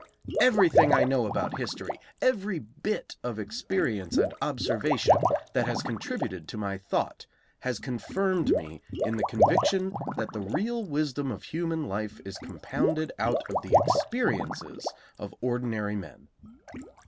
Everything I know about history, every bit of experience and observation that has contributed to my thought, has confirmed me in the conviction that the real wisdom of human life is compounded out of the experiences of ordinary men.